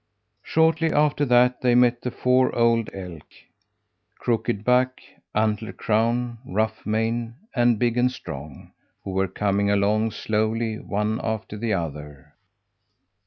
Shortly after that they met the four old elk Crooked Back, Antler Crown, Rough Mane, and Big and Strong, who were coming along slowly, one after the other.